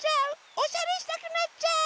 おしゃれしたくなっちゃう！